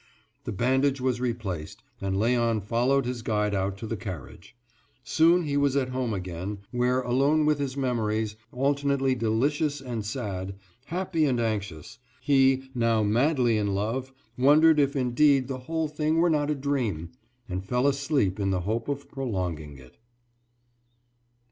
The bandage was replaced, and Léon followed his guide out to the carriage. Soon he was at home again, where, alone with his memories, alternately delicious and sad, happy and anxious, he, now madly in love, wondered if indeed the whole thing were not a dream, and fell asleep in the hope of prolonging it.